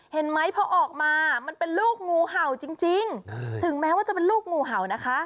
เห็นไหมพอออกมามันเป็นลูกงูเห่าจริงถึงแม้ว่าจะเป็นลูกงูเห่านะคะ